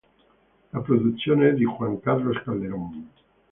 La produzione è di Juan Carlos Calderón.